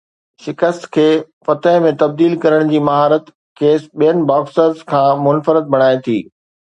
شڪست کي فتح ۾ تبديل ڪرڻ جي مهارت کيس ٻين باڪسرز کان منفرد بڻائي ٿي.